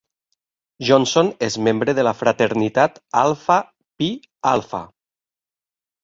Johnson és membre de la fraternitat Alpha Phi Alpha.